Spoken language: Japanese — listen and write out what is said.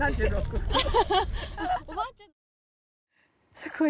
すごい。